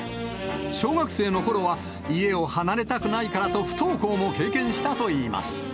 小学生のころは、家を離れたくないからと不登校も経験したといいます。